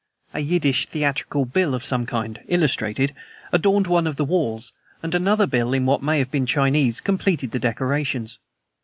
A Yiddish theatrical bill of some kind, illustrated, adorned one of the walls, and another bill, in what may have been Chinese, completed the decorations.